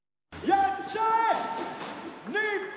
やっちゃえ日本。